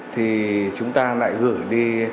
thì chúng ta lại gửi đi